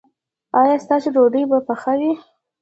ایا ستاسو ډوډۍ به پخه وي؟